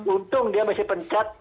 untung dia masih pencet